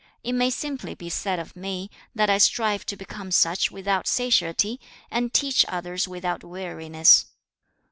It may simply be said of me, that I strive to become such without satiety, and teach others without weariness.'